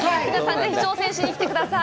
ぜひ挑戦しに来てください。